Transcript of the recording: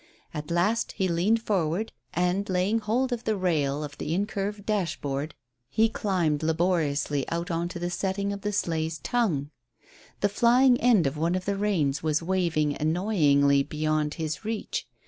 At last he leaned forward, and, laying hold of the rail of the incurved dashboard, he climbed laboriously out on to the setting of the sleigh's tongue. The flying end of one of the reins was waving annoyingly beyond his reach.